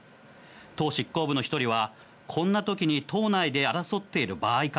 党執行部の一人は、こんなときに党内で争っている場合か。